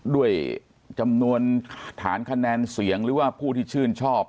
ด้วยจำนวนฐานคะแนนเสียงหรือว่าผู้ที่ชื่นชอบ